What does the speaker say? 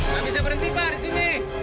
gak bisa berhenti pak disini